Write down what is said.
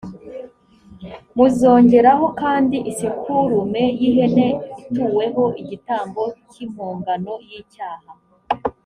muzongereho kandi isekurume y’ihene ituweho igitambo cy’impongano y’icyaha.